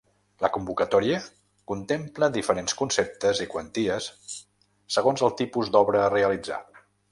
La convocatòria contempla diferents conceptes i quanties segons el tipus d’obra a realitzar.